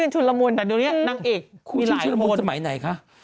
อันนี้เขาเป็นนังเอกก็ปล่อย